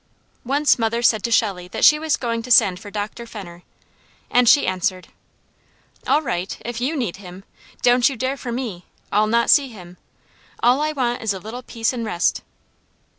Once mother said to Shelley that she was going to send for Dr. Fenner, and she answered: "All right, if you need him. Don't you dare for me! I'll not see him. All I want is a little peace and rest."